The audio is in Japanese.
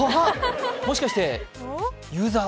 もしかして、ユーザー？